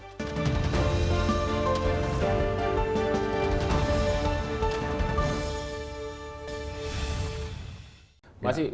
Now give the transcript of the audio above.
masjid radikal yang masih menyusun